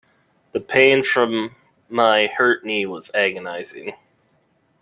The pain from my hurt knee was agonizing.